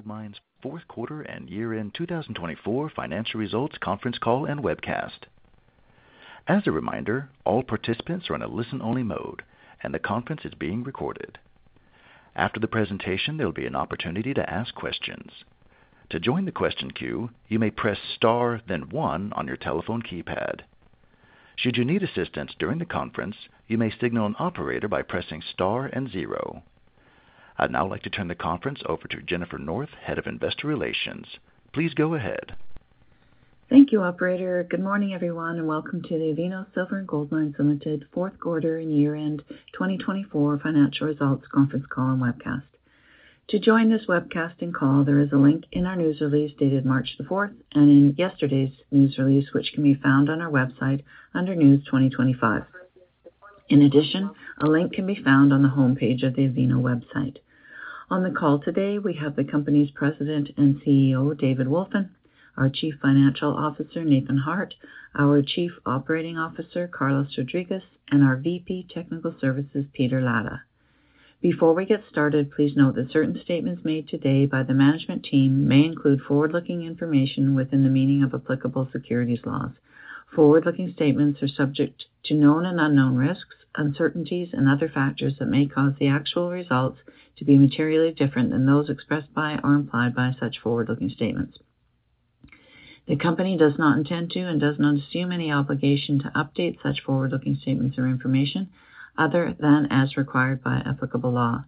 Gold Mines' fourth quarter and year-end 2024 financial results conference call and webcast. As a reminder, all participants are in a listen-only mode, and the conference is being recorded. After the presentation, there will be an opportunity to ask questions. To join the question queue, you may press star, then one on your telephone keypad. Should you need assistance during the conference, you may signal an operator by pressing star and zero. I'd now like to turn the conference over to Jennifer North, Head of Investor Relations. Please go ahead. Thank you, Operator. Good morning, everyone, and welcome to the Avino Silver & Gold Mines Ltd Fourth Quarter and Year-End 2024 Financial Results conference call and webcast. To join this webcast and call, there is a link in our news release dated March 4 and in yesterday's news release, which can be found on our website under News 2025. In addition, a link can be found on the homepage of the Avino website. On the call today, we have the company's President and CEO, David Wolfin, our Chief Financial Officer, Nathan Harte, our Chief Operating Officer, Carlos Rodriguez, and our VP Technical Services, Peter Latta. Before we get started, please note that certain statements made today by the management team may include forward-looking information within the meaning of applicable securities laws. Forward-looking statements are subject to known and unknown risks, uncertainties, and other factors that may cause the actual results to be materially different than those expressed by or implied by such forward-looking statements. The company does not intend to and does not assume any obligation to update such forward-looking statements or information other than as required by applicable law.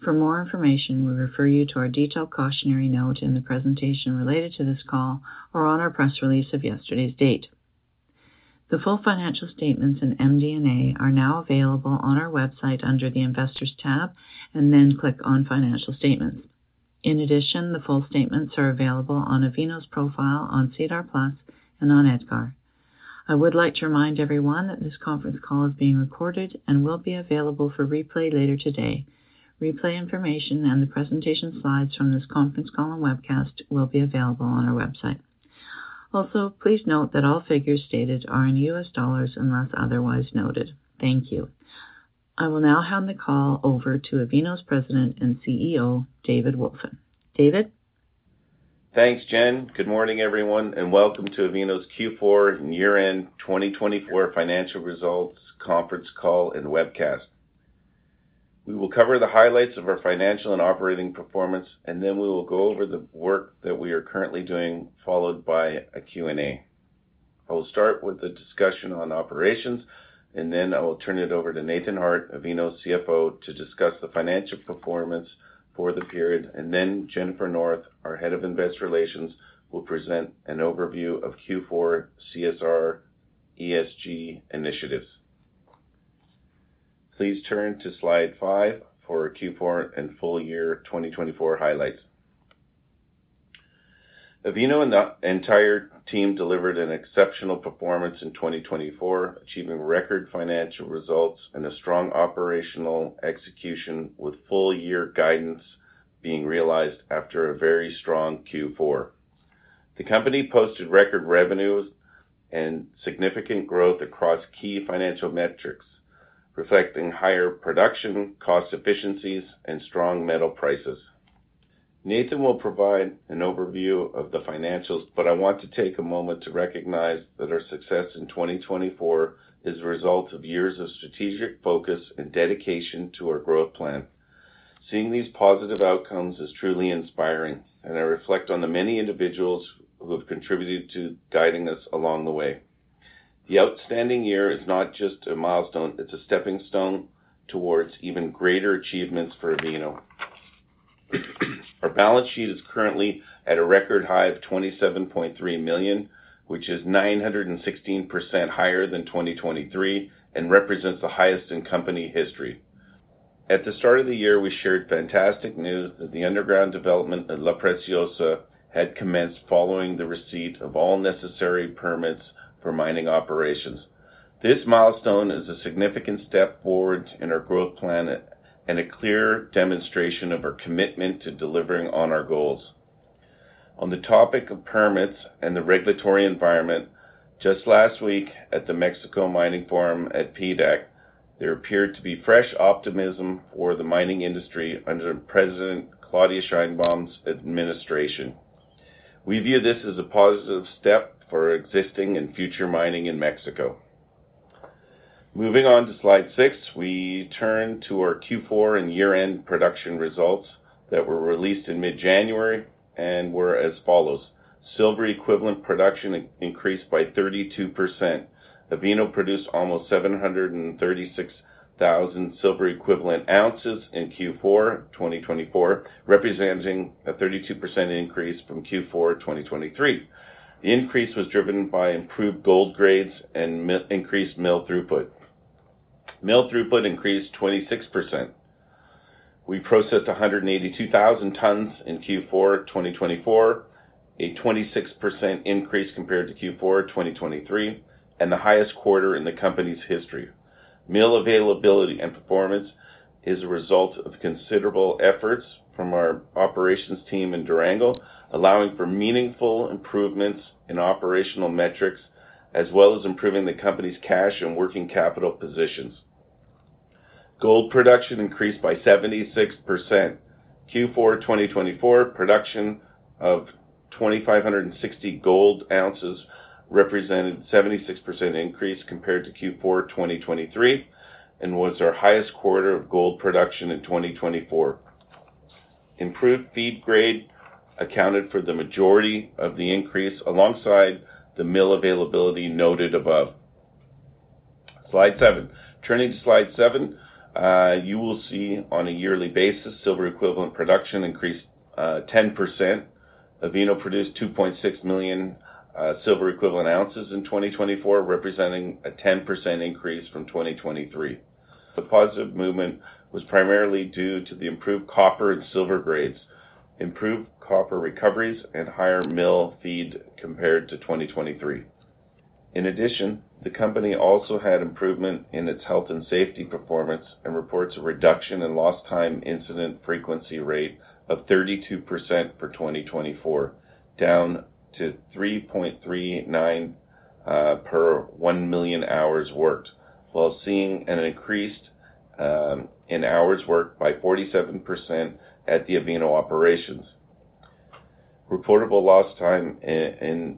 For more information, we refer you to our detailed cautionary note in the presentation related to this call or on our press release of yesterday's date. The full financial statements and MD&A are now available on our website under the Investors tab, and then click on Financial Statements. In addition, the full statements are available on Avino's profile on SEDAR+ and on EDGAR. I would like to remind everyone that this conference call is being recorded and will be available for replay later today. Replay information and the presentation slides from this conference call and webcast will be available on our website. Also, please note that all figures stated are in US dollars unless otherwise noted. Thank you. I will now hand the call over to Avino's President and CEO, David Wolfin. David. Thanks, Jen. Good morning, everyone, and welcome to Avino's Q4 year-end 2024 financial results conference call and webcast. We will cover the highlights of our financial and operating performance, and then we will go over the work that we are currently doing, followed by a Q&A. I will start with the discussion on operations, and then I will turn it over to Nathan Harte, Avino's CFO, to discuss the financial performance for the period, and then Jennifer North, our Head of Investor Relations, will present an overview of Q4 CSR ESG initiatives. Please turn to slide five for Q4 and full year 2024 highlights. Avino and the entire team delivered an exceptional performance in 2024, achieving record financial results and a strong operational execution, with full year guidance being realized after a very strong Q4. The company posted record revenues and significant growth across key financial metrics, reflecting higher production, cost efficiencies, and strong metal prices. Nathan will provide an overview of the financials, but I want to take a moment to recognize that our success in 2024 is the result of years of strategic focus and dedication to our growth plan. Seeing these positive outcomes is truly inspiring, and I reflect on the many individuals who have contributed to guiding us along the way. The outstanding year is not just a milestone; it's a stepping stone towards even greater achievements for Avino. Our balance sheet is currently at a record high of $27.3 million, which is 916% higher than 2023 and represents the highest in company history. At the start of the year, we shared fantastic news that the underground development at La Preciosa had commenced following the receipt of all necessary permits for mining operations. This milestone is a significant step forward in our growth plan and a clear demonstration of our commitment to delivering on our goals. On the topic of permits and the regulatory environment, just last week at the Mexico Mining Forum at PDAC, there appeared to be fresh optimism for the mining industry under President Claudia Sheinbaum's administration. We view this as a positive step for existing and future mining in Mexico. Moving on to slide six, we turn to our Q4 and year-end production results that were released in mid-January and were as follows: silver equivalent production increased by 32%. Avino produced almost 736,000 silver equivalent ounces in Q4 2024, representing a 32% increase from Q4 2023. The increase was driven by improved gold grades and increased mill throughput. Mill throughput increased 26%. We processed 182,000 tons in Q4 2024, a 26% increase compared to Q4 2023, and the highest quarter in the company's history. Mill availability and performance is a result of considerable efforts from our operations team in Durango, allowing for meaningful improvements in operational metrics, as well as improving the company's cash and working capital positions. Gold production increased by 76%. Q4 2024, production of 2,560 gold ounces represented a 76% increase compared to Q4 2023 and was our highest quarter of gold production in 2024. Improved feed grade accounted for the majority of the increase, alongside the mill availability noted above. Slide seven. Turning to slide seven, you will see on a yearly basis silver equivalent production increased 10%. Avino produced 2.6 million silver equivalent ounces in 2024, representing a 10% increase from 2023. The positive movement was primarily due to the improved copper and silver grades, improved copper recoveries, and higher mill feed compared to 2023. In addition, the company also had improvement in its health and safety performance and reports a reduction in lost time incident frequency rate of 32% for 2024, down to 3.39 per 1 million hours worked, while seeing an increase in hours worked by 47% at the Avino operations. Reportable lost time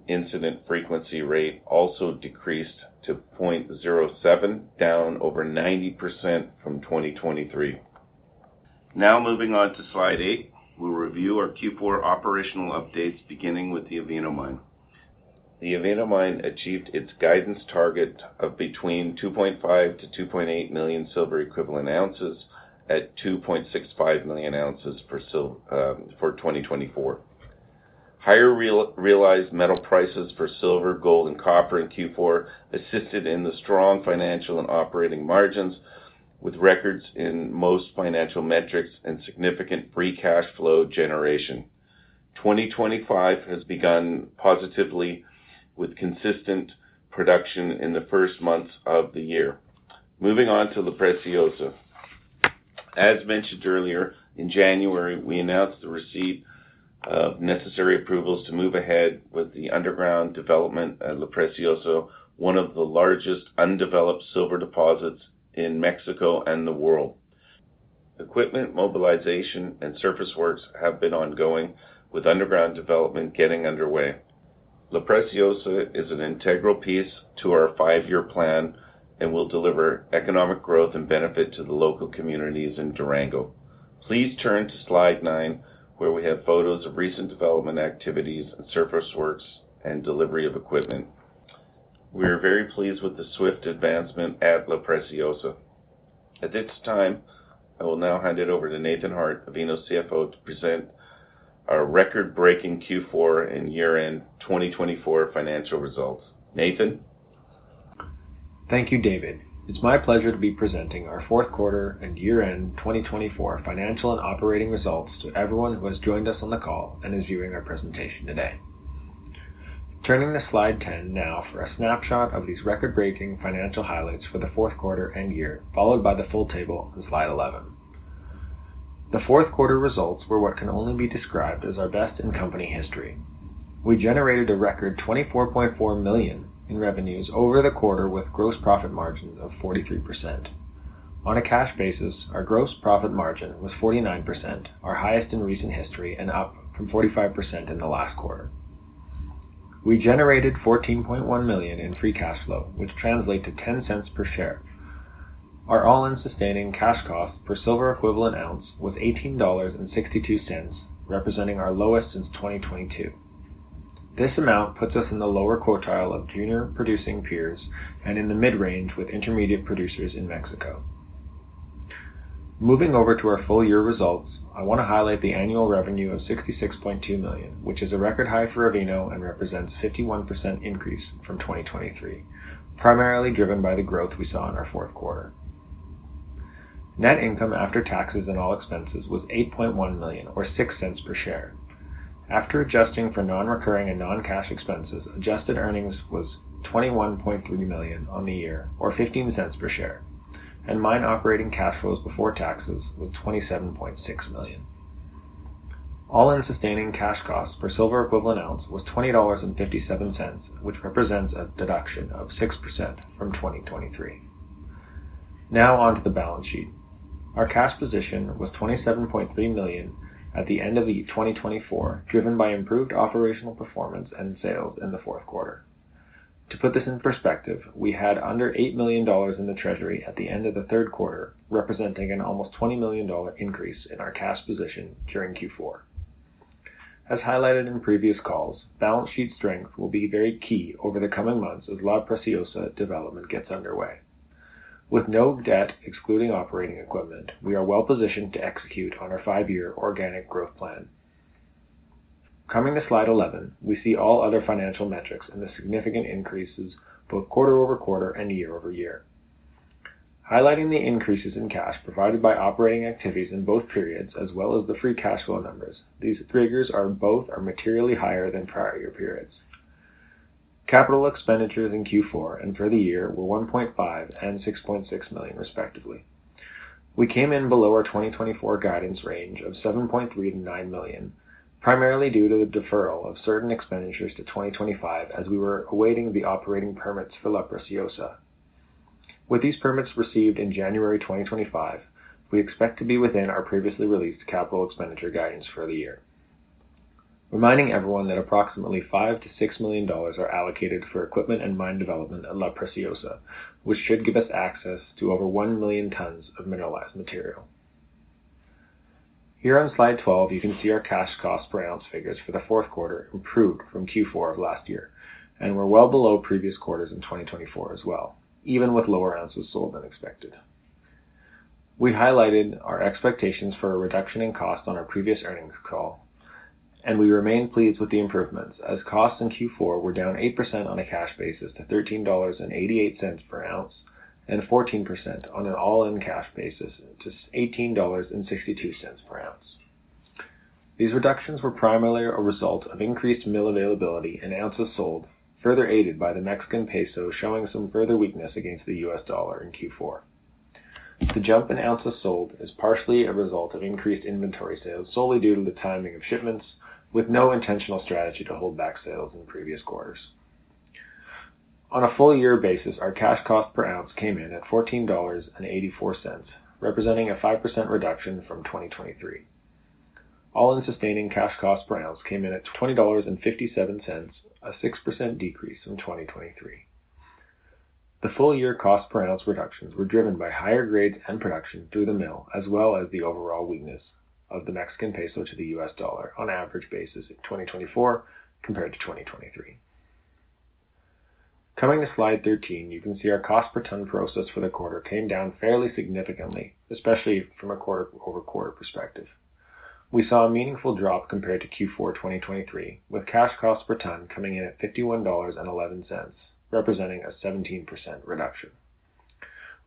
incident frequency rate also decreased to 0.07, down over 90% from 2023. Now moving on to slide eight, we will review our Q4 operational updates, beginning with the Avino Mine. The Avino Mine achieved its guidance target of between 2.5-2.8 million silver equivalent ounces at 2.65 million ounces for 2024. Higher realized metal prices for silver, gold, and copper in Q4 assisted in the strong financial and operating margins, with records in most financial metrics and significant free cash flow generation. 2025 has begun positively with consistent production in the first months of the year. Moving on to La Preciosa. As mentioned earlier, in January, we announced the receipt of necessary approvals to move ahead with the underground development at La Preciosa, one of the largest undeveloped silver deposits in Mexico and the world. Equipment mobilization and surface works have been ongoing, with underground development getting underway. La Preciosa is an integral piece to our five-year plan and will deliver economic growth and benefit to the local communities in Durango. Please turn to slide nine, where we have photos of recent development activities, surface works, and delivery of equipment. We are very pleased with the swift advancement at La Preciosa. At this time, I will now hand it over to Nathan Harte, Avino's CFO, to present our record-breaking Q4 and year-end 2024 financial results. Nathan? Thank you, David. It's my pleasure to be presenting our fourth quarter and year-end 2024 financial and operating results to everyone who has joined us on the call and is viewing our presentation today. Turning to slide 10 now for a snapshot of these record-breaking financial highlights for the fourth quarter and year, followed by the full table in slide 11. The fourth quarter results were what can only be described as our best in company history. We generated a record $24.4 million in revenues over the quarter, with gross profit margins of 43%. On a cash basis, our gross profit margin was 49%, our highest in recent history and up from 45% in the last quarter. We generated $14.1 million in free cash flow, which translates to $0.10 per share. Our all-in sustaining cash cost per silver equivalent ounce was $18.62, representing our lowest since 2022. This amount puts us in the lower quartile of junior producing peers and in the mid-range with intermediate producers in Mexico. Moving over to our full year results, I want to highlight the annual revenue of $66.2 million, which is a record high for Avino and represents a 51% increase from 2023, primarily driven by the growth we saw in our fourth quarter. Net income after taxes and all expenses was $8.1 million, or $0.06 per share. After adjusting for non-recurring and non-cash expenses, adjusted earnings was $21.3 million on the year, or $0.15 per share. Mine operating cash flows before taxes was $27.6 million. All-in sustaining cash cost per silver equivalent ounce was $20.57, which represents a deduction of 6% from 2023. Now on to the balance sheet. Our cash position was $27.3 million at the end of 2024, driven by improved operational performance and sales in the fourth quarter. To put this in perspective, we had under $8 million in the treasury at the end of the third quarter, representing an almost $20 million increase in our cash position during Q4. As highlighted in previous calls, balance sheet strength will be very key over the coming months as La Preciosa development gets underway. With no debt excluding operating equipment, we are well positioned to execute on our five-year organic growth plan. Coming to slide 11, we see all other financial metrics and the significant increases both quarter over quarter and year over year. Highlighting the increases in cash provided by operating activities in both periods, as well as the free cash flow numbers, these figures are both materially higher than prior year periods. Capital expenditures in Q4 and for the year were $1.5 million and $6.6 million, respectively. We came in below our 2024 guidance range of $7.3 million-$9 million, primarily due to the deferral of certain expenditures to 2025 as we were awaiting the operating permits for La Preciosa. With these permits received in January 2025, we expect to be within our previously released capital expenditure guidance for the year. Reminding everyone that approximately $5 million-$6 million are allocated for equipment and mine development at La Preciosa, which should give us access to over 1 million tons of mineralized material. Here on slide 12, you can see our cash cost per ounce figures for the fourth quarter improved from Q4 of last year, and we're well below previous quarters in 2024 as well, even with lower ounces sold than expected. We highlighted our expectations for a reduction in cost on our previous earnings call, and we remain pleased with the improvements as costs in Q4 were down 8% on a cash basis to $13.88 per ounce and 14% on an all-in cash basis to $18.62 per ounce. These reductions were primarily a result of increased mill availability and ounces sold, further aided by the Mexican peso showing some further weakness against the US dollar in Q4. The jump in ounces sold is partially a result of increased inventory sales solely due to the timing of shipments, with no intentional strategy to hold back sales in previous quarters. On a full year basis, our cash cost per ounce came in at $14.84, representing a 5% reduction from 2023. All-in sustaining cash cost per ounce came in at $20.57, a 6% decrease from 2023. The full year cost per ounce reductions were driven by higher grades and production through the mill, as well as the overall weakness of the Mexican peso to the US dollar on an average basis in 2024 compared to 2023. Coming to slide 13, you can see our cost per ton process for the quarter came down fairly significantly, especially from a quarter-over-quarter perspective. We saw a meaningful drop compared to Q4 2023, with cash cost per ton coming in at $51.11, representing a 17% reduction.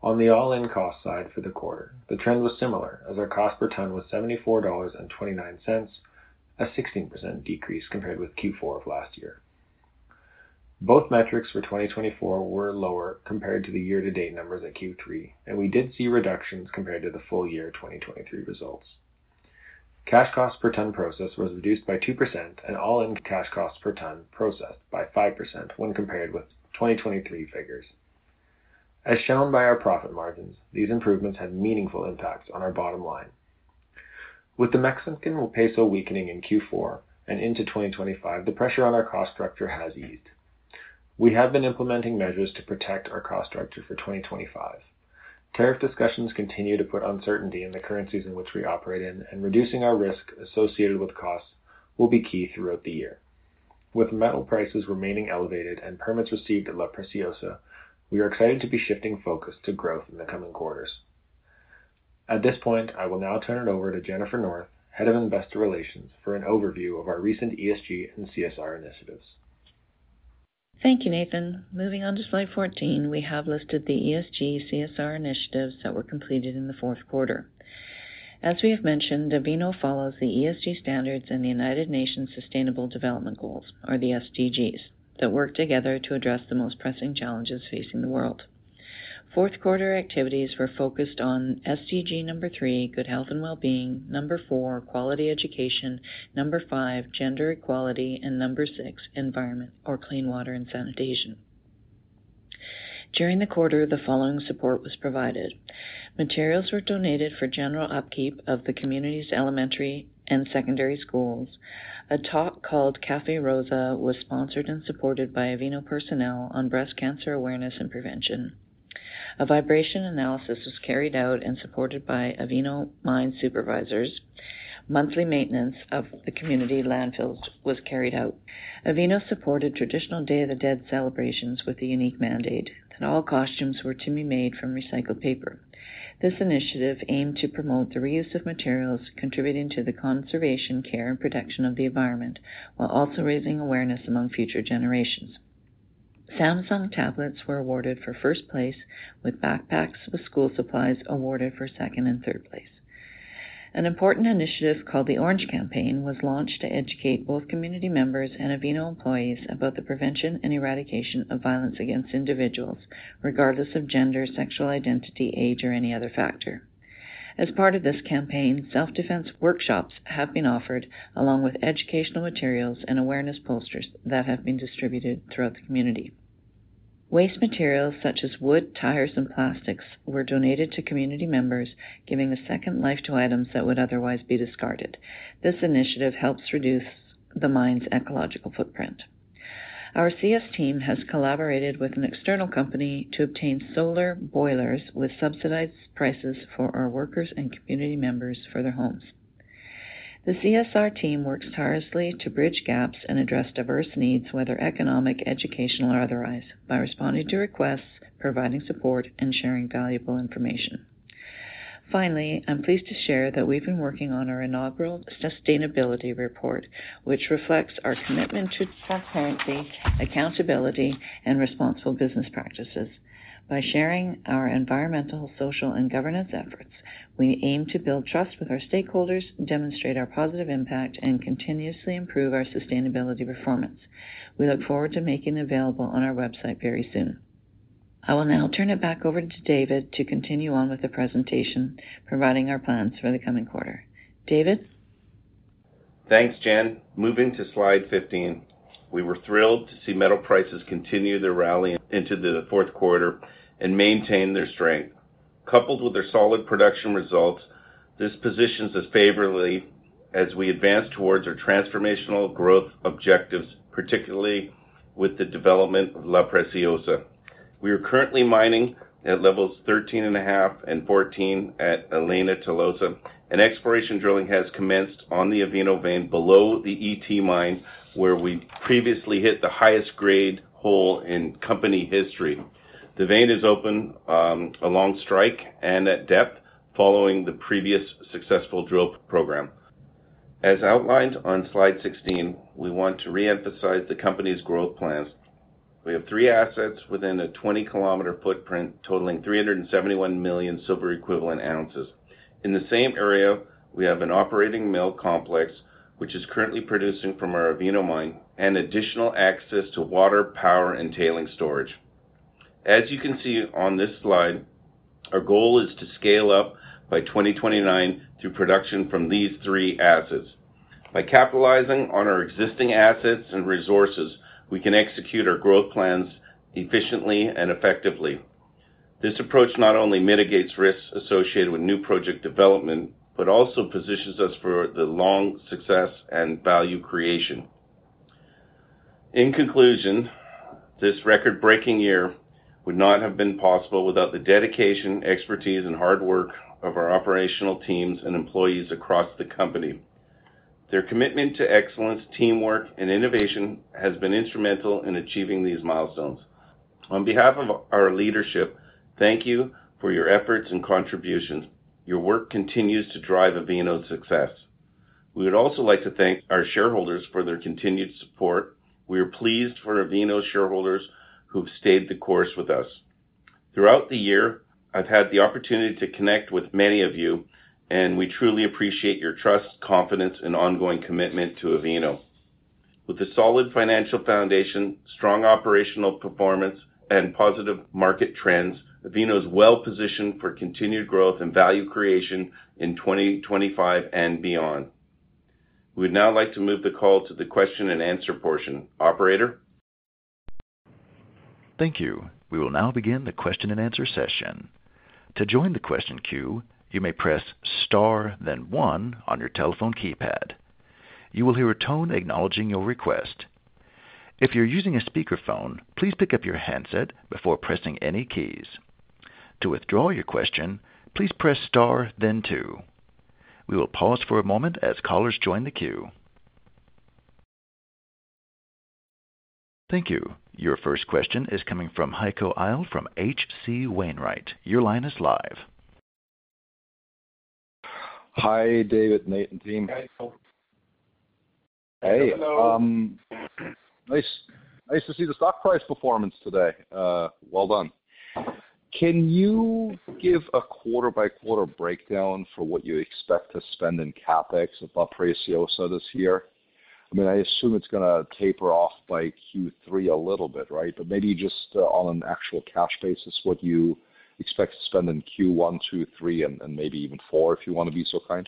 On the all-in cost side for the quarter, the trend was similar as our cost per ton was $74.29, a 16% decrease compared with Q4 of last year. Both metrics for 2024 were lower compared to the year-to-date numbers at Q3, and we did see reductions compared to the full year 2023 results. Cash cost per ton process was reduced by 2%, and all-in cash cost per ton processed by 5% when compared with 2023 figures. As shown by our profit margins, these improvements had meaningful impacts on our bottom line. With the Mexican peso weakening in Q4 and into 2025, the pressure on our cost structure has eased. We have been implementing measures to protect our cost structure for 2025. Tariff discussions continue to put uncertainty in the currencies in which we operate in, and reducing our risk associated with costs will be key throughout the year. With metal prices remaining elevated and permits received at La Preciosa, we are excited to be shifting focus to growth in the coming quarters. At this point, I will now turn it over to Jennifer North, Head of Investor Relations, for an overview of our recent ESG and CSR initiatives. Thank you, Nathan. Moving on to slide 14, we have listed the ESG CSR initiatives that were completed in the fourth quarter. As we have mentioned, Avino follows the ESG standards and the United Nations Sustainable Development Goals, or the SDGs, that work together to address the most pressing challenges facing the world. Fourth quarter activities were focused on SDG number three, good health and well-being, number four, quality education, number five, gender equality, and number six, environment or clean water and sanitation. During the quarter, the following support was provided. Materials were donated for general upkeep of the community's elementary and secondary schools. A talk called Café Rosa was sponsored and supported by Avino personnel on breast cancer awareness and prevention. A vibration analysis was carried out and supported by Avino mine supervisors. Monthly maintenance of the community landfills was carried out. Avino supported traditional Day of the Dead celebrations with a unique mandate that all costumes were to be made from recycled paper. This initiative aimed to promote the reuse of materials, contributing to the conservation, care, and protection of the environment, while also raising awareness among future generations. Samsung tablets were awarded for first place, with backpacks with school supplies awarded for second and third place. An important initiative called the Orange Campaign was launched to educate both community members and Avino employees about the prevention and eradication of violence against individuals, regardless of gender, sexual identity, age, or any other factor. As part of this campaign, self-defense workshops have been offered, along with educational materials and awareness posters that have been distributed throughout the community. Waste materials such as wood, tires, and plastics were donated to community members, giving a second life to items that would otherwise be discarded. This initiative helps reduce the mine's ecological footprint. Our CSR team has collaborated with an external company to obtain solar boilers with subsidized prices for our workers and community members for their homes. The CSR team works tirelessly to bridge gaps and address diverse needs, whether economic, educational, or otherwise, by responding to requests, providing support, and sharing valuable information. Finally, I'm pleased to share that we've been working on our inaugural sustainability report, which reflects our commitment to transparency, accountability, and responsible business practices. By sharing our environmental, social, and governance efforts, we aim to build trust with our stakeholders, demonstrate our positive impact, and continuously improve our sustainability performance. We look forward to making it available on our website very soon. I will now turn it back over to David to continue on with the presentation, providing our plans for the coming quarter. David? Thanks, Jen. Moving to slide 15, we were thrilled to see metal prices continue to rally into the fourth quarter and maintain their strength. Coupled with their solid production results, this positions us favorably as we advance towards our transformational growth objectives, particularly with the development of La Preciosa. We are currently mining at levels 13.5 and 14 at Elena Tolosa. An exploration drilling has commenced on the Avino vein below the ET mines, where we previously hit the highest grade hole in company history. The vein is open along strike and at depth following the previous successful drill program. As outlined on slide 16, we want to reemphasize the company's growth plans. We have three assets within a 20-km footprint totaling 371 million silver equivalent ounces. In the same area, we have an operating mill complex, which is currently producing from our Avino mine and additional access to water, power, and tailings storage. As you can see on this slide, our goal is to scale up by 2029 through production from these three assets. By capitalizing on our existing assets and resources, we can execute our growth plans efficiently and effectively. This approach not only mitigates risks associated with new project development, but also positions us for long success and value creation. In conclusion, this record-breaking year would not have been possible without the dedication, expertise, and hard work of our operational teams and employees across the company. Their commitment to excellence, teamwork, and innovation has been instrumental in achieving these milestones. On behalf of our leadership, thank you for your efforts and contributions. Your work continues to drive Avino's success. We would also like to thank our shareholders for their continued support. We are pleased for Avino's shareholders who've stayed the course with us. Throughout the year, I've had the opportunity to connect with many of you, and we truly appreciate your trust, confidence, and ongoing commitment to Avino. With a solid financial foundation, strong operational performance, and positive market trends, Avino is well positioned for continued growth and value creation in 2025 and beyond. We would now like to move the call to the question and answer portion. Operator? Thank you. We will now begin the question and answer session. To join the question queue, you may press star, then one on your telephone keypad. You will hear a tone acknowledging your request. If you're using a speakerphone, please pick up your handset before pressing any keys. To withdraw your question, please press star, then two. We will pause for a moment as callers join the queue. Thank you. Your first question is coming from Heiko Ihle from H.C. Wainwright. Your line is live. Hi, David, Nathan, team. Hey. Hello. Nice. Nice to see the stock price performance today. Well done. Can you give a quarter-by-quarter breakdown for what you expect to spend in CapEx at La Preciosa this year? I mean, I assume it's going to taper off by Q3 a little bit, right? But maybe just on an actual cash basis, what you expect to spend in Q1, Q2, Q3, and maybe even Q4 if you want to be so kind.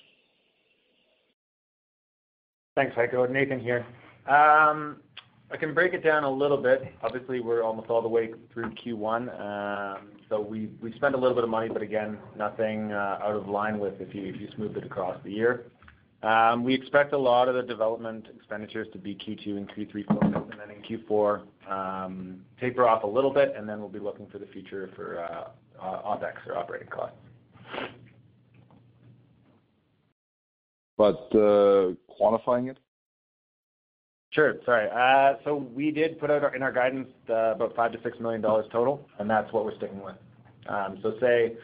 Thanks, Heiko. Nathan here. I can break it down a little bit. Obviously, we're almost all the way through Q1. We spent a little bit of money, but again, nothing out of line with if you smooth it across the year. We expect a lot of the development expenditures to be Q2 and Q3 focused, and then in Q4, taper off a little bit, and then we'll be looking for the future for OpEx or operating costs. Quantifying it? Sure. Sorry. We did put out in our guidance about $5 million-$6 million total, and that's what we're sticking with. Say,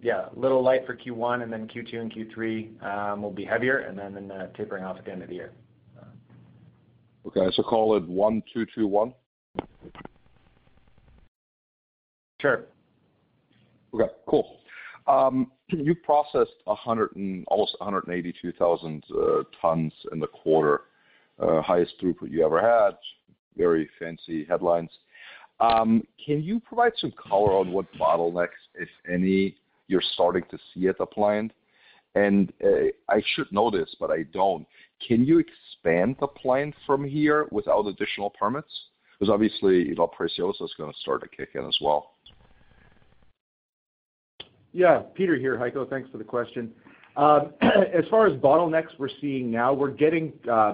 yeah, a little light for Q1, and then Q2 and Q3 will be heavier, and then tapering off at the end of the year. Okay. Call it 1, 2, 2, 1? Sure. Okay. Cool. You processed almost 182,000 tons in the quarter, highest throughput you ever had, very fancy headlines. Can you provide some color on what bottlenecks, if any, you're starting to see at the plant? I should know this, but I don't. Can you expand the plant from here without additional permits? Because obviously, La Preciosa is going to start to kick in as well. Yeah. Peter here, Heiko. Thanks for the question. As far as bottlenecks we're seeing now, we're getting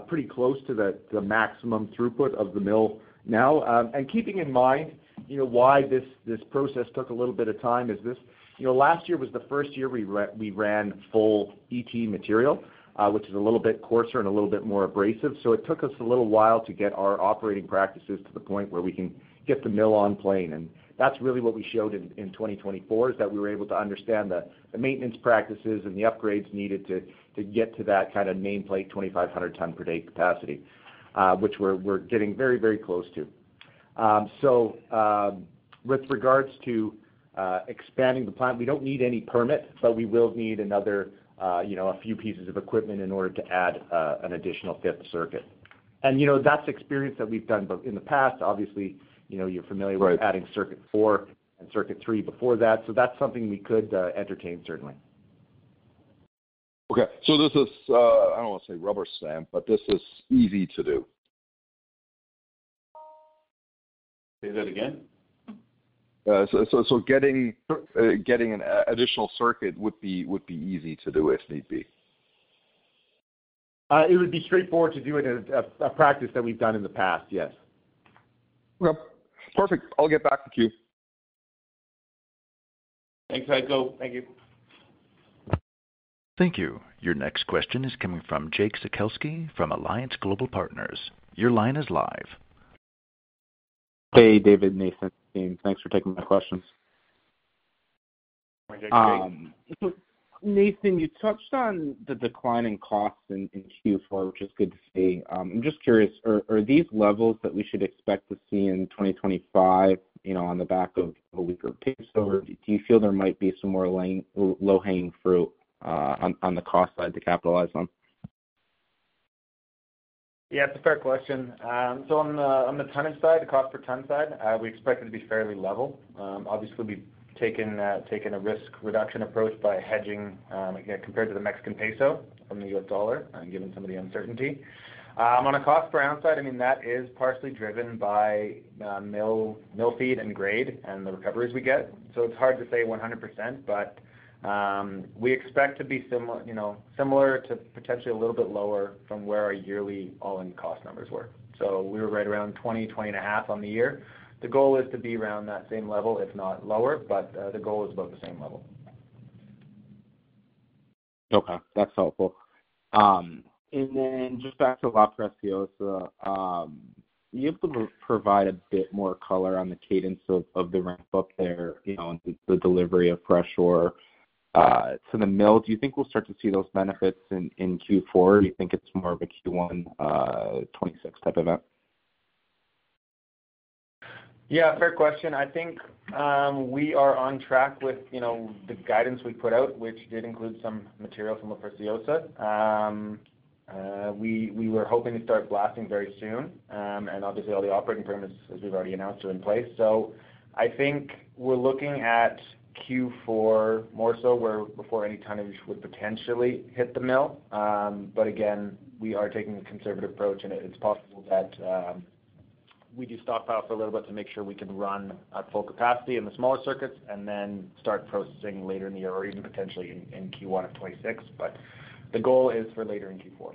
pretty close to the maximum throughput of the mill now. Keeping in mind why this process took a little bit of time is this: last year was the first year we ran full ET material, which is a little bit coarser and a little bit more abrasive. It took us a little while to get our operating practices to the point where we can get the mill on plane. That is really what we showed in 2024, that we were able to understand the maintenance practices and the upgrades needed to get to that kind of nameplate 2,500 ton per day capacity, which we're getting very, very close to. With regards to expanding the plant, we do not need any permit, but we will need another few pieces of equipment in order to add an additional fifth circuit. That is experience that we have done in the past. Obviously, you are familiar with adding circuit four and circuit three before that. That is something we could entertain, certainly. Okay. This is—I don't want to say rubber stamp, but this is easy to do. Say that again? Getting an additional circuit would be easy to do if need be. It would be straightforward to do it as a practice that we've done in the past, yes. Okay. Perfect. I'll get back to you. Thanks, Heiko. Thank you. Thank you. Your next question is coming from Jake Sekelsky from Alliance Global Partners. Your line is live. Hey, David, Nathan, team. Thanks for taking my questions. Hi, Jake. Nathan, you touched on the decline in costs in Q4, which is good to see. I'm just curious, are these levels that we should expect to see in 2025 on the back of a weaker peso? Do you feel there might be some more low-hanging fruit on the cost side to capitalize on? Yeah, it's a fair question. On the tonnage side, the cost per ton side, we expect it to be fairly level. Obviously, we've taken a risk-reduction approach by hedging compared to the Mexican peso from the US dollar, given some of the uncertainty. On a cost per ounce side, I mean, that is partially driven by mill feed and grade and the recoveries we get. It's hard to say 100%, but we expect to be similar to potentially a little bit lower from where our yearly all-in cost numbers were. We were right around $20-$20.5 on the year. The goal is to be around that same level, if not lower, but the goal is about the same level. Okay. That's helpful. Just back to La Preciosa, you have to provide a bit more color on the cadence of the ramp-up there and the delivery of fresh ore to the mill. Do you think we'll start to see those benefits in Q4? Do you think it's more of a Q1 2026 type event? Yeah. Fair question. I think we are on track with the guidance we put out, which did include some material from La Preciosa. We were hoping to start blasting very soon, and obviously, all the operating permits, as we've already announced, are in place. I think we're looking at Q4 more so before any tonnage would potentially hit the mill. Again, we are taking a conservative approach, and it's possible that we do stockpile for a little bit to make sure we can run at full capacity in the smaller circuits and then start processing later in the year or even potentially in Q1 of 2026. The goal is for later in Q4.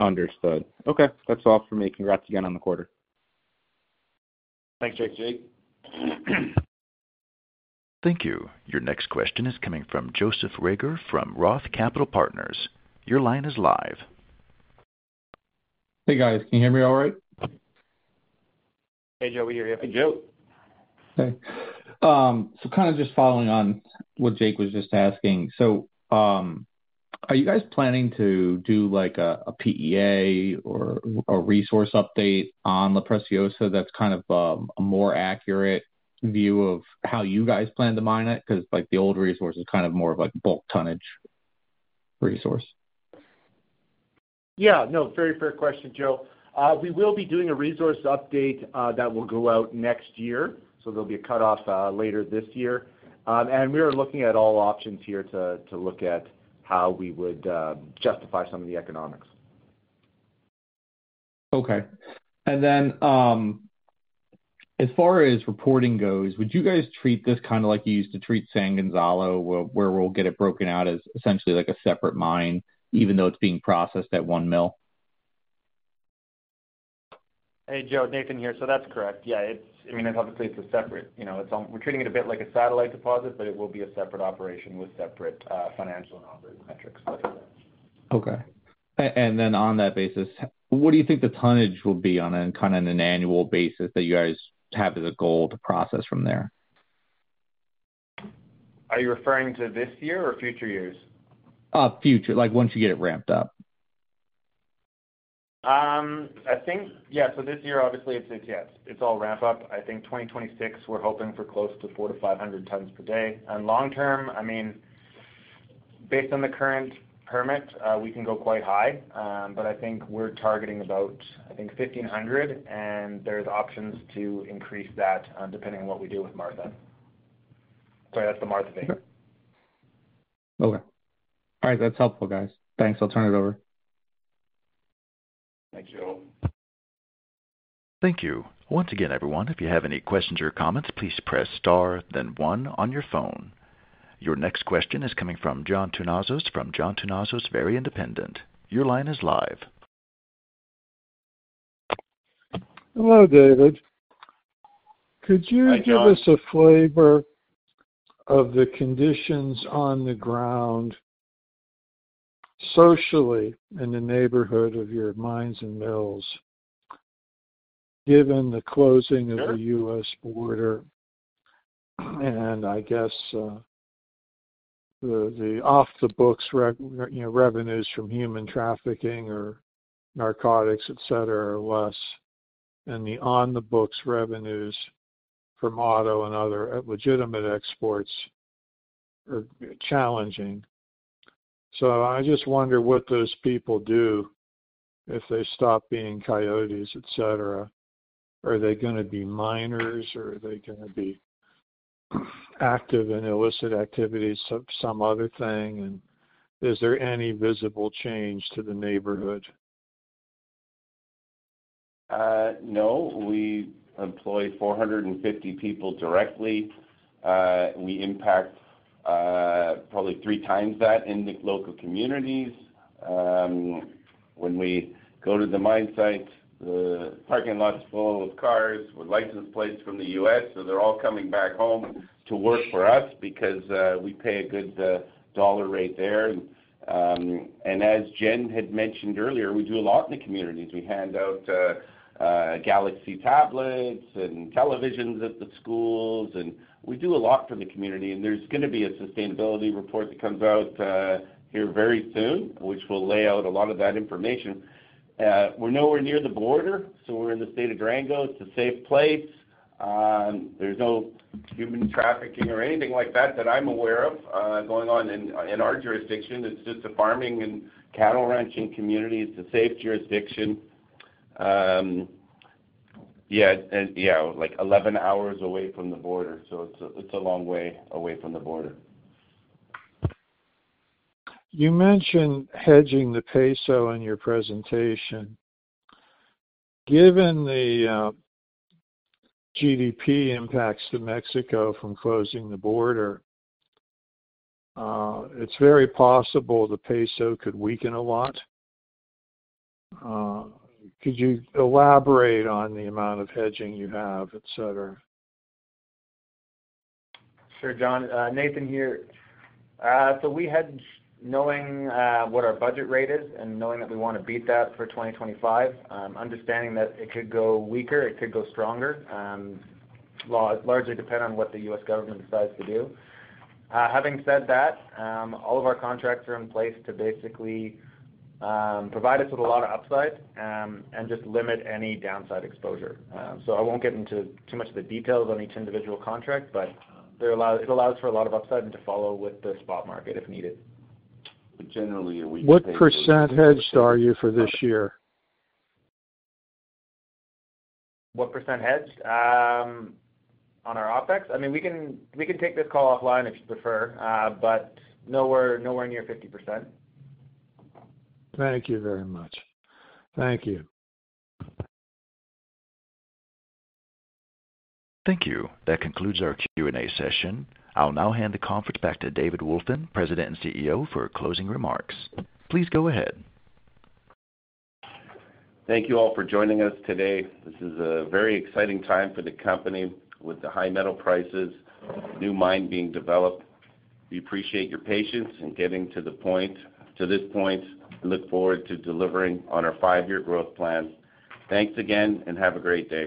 Understood. Okay. That's all for me. Congrats again on the quarter. Thanks, Jake Sekelsky. Thank you. Your next question is coming from Joseph Reagor from ROTH Capital Partners. Your line is live. Hey, guys. Can you hear me all right? Hey, Joe. We hear you. Hey, Joe. Hey, kind of just following on what Jake was just asking, are you guys planning to do a PEA or a resource update on La Preciosa that's kind of a more accurate view of how you guys plan to mine it? Because the old resource is kind of more of a bulk tonnage resource. Yeah. No, very fair question, Joe. We will be doing a resource update that will go out next year. There will be a cutoff later this year. We are looking at all options here to look at how we would justify some of the economics. Okay. As far as reporting goes, would you guys treat this kind of like you used to treat San Gonzalo, where we'll get it broken out as essentially a separate mine, even though it's being processed at one mill? Hey, Joe. Nathan here. That's correct. I mean, obviously, it's a separate—we're treating it a bit like a satellite deposit, but it will be a separate operation with separate financial and operating metrics. Okay. On that basis, what do you think the tonnage will be on kind of an annual basis that you guys have as a goal to process from there? Are you referring to this year or future years? Future. Once you get it ramped up. I think, yeah. This year, obviously, it's all ramp-up. I think 2026, we're hoping for close to 400-500 tons per day. Long-term, I mean, based on the current permit, we can go quite high. I think we're targeting about, I think, 1,500, and there's options to increase that depending on what we do with Martha. Sorry, that's the Martha thing. Okay. All right. That's helpful, guys. Thanks. I'll turn it over. Thanks, Joe. Thank you. Once again, everyone, if you have any questions or comments, please press star, then one on your phone. Your next question is coming from John Tumazos from John Tumazos Very Independent. Your line is live. Hello, David. Could you give us a flavor of the conditions on the ground socially in the neighborhood of your mines and mills, given the closing of the U.S. border and, I guess, the off-the-books revenues from human trafficking or narcotics, etc., are less, and the on-the-books revenues from auto and other legitimate exports are challenging. I just wonder what those people do if they stop being coyotes, etc. Are they going to be miners, or are they going to be active in illicit activities, some other thing? Is there any visible change to the neighborhood? No. We employ 450 people directly. We impact probably three times that in the local communities. When we go to the mine sites, the parking lot's full of cars with license plates from the U.S. They are all coming back home to work for us because we pay a good dollar rate there. As Jen had mentioned earlier, we do a lot in the communities. We hand out Galaxy tablets and televisions at the schools, and we do a lot for the community. There is going to be a sustainability report that comes out here very soon, which will lay out a lot of that information. We are nowhere near the border, so we are in the state of Durango. It is a safe place. There is no human trafficking or anything like that that I am aware of going on in our jurisdiction. It is just a farming and cattle ranching community. It's a safe jurisdiction. Yeah. Yeah. Like 11 hours away from the border. It is a long way away from the border. You mentioned hedging the peso in your presentation. Given the GDP impacts to Mexico from closing the border, it's very possible the peso could weaken a lot. Could you elaborate on the amount of hedging you have, etc.? Sure, John. Nathan here. We had, knowing what our budget rate is and knowing that we want to beat that for 2025, understanding that it could go weaker, it could go stronger, largely depending on what the U.S. government decides to do. Having said that, all of our contracts are in place to basically provide us with a lot of upside and just limit any downside exposure. I will not get into too much of the details on each individual contract, but it allows for a lot of upside and to follow with the spot market if needed. Generally, a weaker trade. What percent hedged are you for this year? What percent hedged on our OpEx? I mean, we can take this call offline if you prefer, but nowhere near 50%. Thank you very much. Thank you. Thank you. That concludes our Q&A session. I'll now hand the conference back to David Wolfin, President and CEO, for closing remarks. Please go ahead. Thank you all for joining us today. This is a very exciting time for the company with the high metal prices, new mine being developed. We appreciate your patience in getting to this point and look forward to delivering on our five-year growth plan. Thanks again, and have a great day.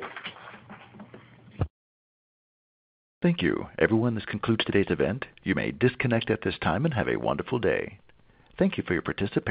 Thank you. Everyone, this concludes today's event. You may disconnect at this time and have a wonderful day. Thank you for your participation.